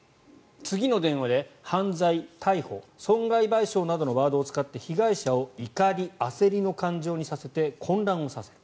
次の電話で犯罪、逮捕、損害賠償などのワードを使って被害者を怒り、焦りの感情にさせて混乱させる。